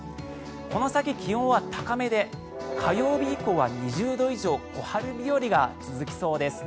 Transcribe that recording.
この先、気温は高めで火曜日以降は２０度以上小春日和が続きそうです。